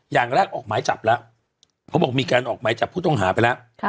อย่างแรกออกหมายจับแล้วเขาบอกมีการออกหมายจับผู้ต้องหาไปแล้ว